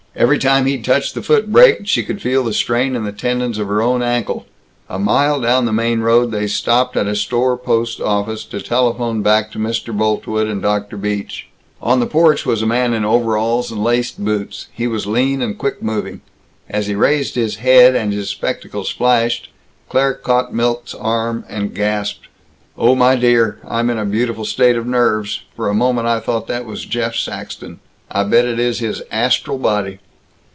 Every time he touched the foot brake, she could feel the strain in the tendons of her own ankle. A mile down the main road they stopped at a store post office to telephone back to Mr. Boltwood and Dr. Beach. On the porch was a man in overalls and laced boots. He was lean and quick moving. As he raised his head, and his spectacles flashed, Claire caught Milt's arm and gasped, "Oh, my dear, I'm in a beautiful state of nerves. For a moment I thought that was Jeff Saxton. I bet it is his astral body!"